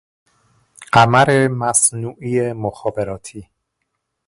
قمر مصنوعی مخابراتی